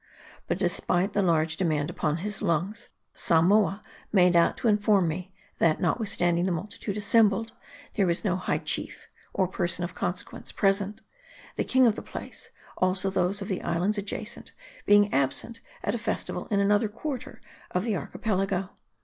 But despite the large demand upon his lungs, Samoa made out to inform me, that notwithstanding the multitude VOL. i. I 194 M A R D I. assembled, there was no high chief, or person of consequence present ; the king of the place, also those of the islands ad jacent, being absent at a festival in another quarter of the Archipelago.